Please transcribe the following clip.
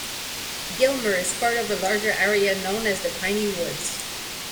Gilmer is part of a larger area known as the "Piney Woods".